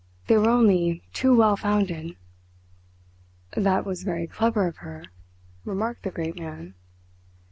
They were only too well founded!" "That was very clever of her," remarked the great man.